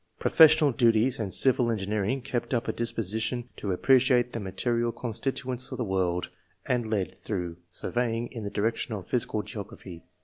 Professional duties and civil engineering kept up a disposition to appre ciate the material constituents of the world, and led, through surveying, in the direction of phy sical geography.